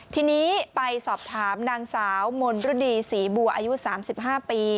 ทีนี้ไปสอบถามนางสาวมนฤดีศรีบัวอายุ๓๕ปี